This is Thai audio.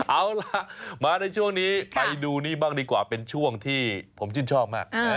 เอาล่ะมาในช่วงนี้ไปดูนี่บ้างดีกว่าเป็นช่วงที่ผมชื่นชอบมาก